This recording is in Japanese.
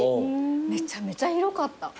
めちゃめちゃ広かった。